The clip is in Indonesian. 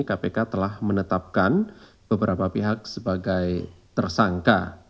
kpk telah menetapkan beberapa pihak sebagai tersangka